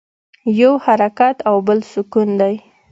یو حرکت او بل سکون دی.